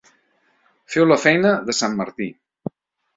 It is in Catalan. Feu la feina de sant Martí.